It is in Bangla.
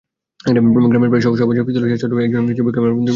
গ্রামের প্রায় সবার ছবি তোলা শেষ হলেও একজনের ছবি ক্যামেরাবন্দী করতে পারেনি।